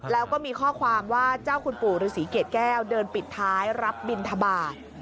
แล้วก็มีข้อความว่าเจ้าคุณปู่ฤษีเกรดแก้วเดินปิดท้ายรับบินทบาท